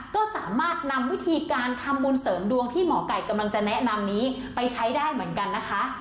ก็สามารถนำวิธีการทำบุญเสริมดวงที่หมอไก่กำลังจะแนะนำนี้ไปใช้ได้เหมือนกันนะคะ